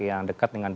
yang dekat dengan anda